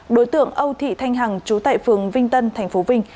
đối tượng âu thị thanh hằng trú tại phường vinh tân tp vinh